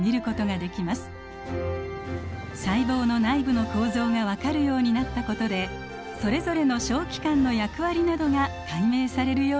細胞の内部の構造が分かるようになったことでそれぞれの小器官の役割などが解明されるようになりました。